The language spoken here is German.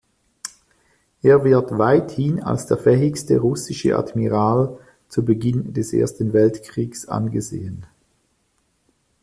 Er wird weithin als der fähigste russische Admiral zu Beginn des Ersten Weltkriegs angesehen.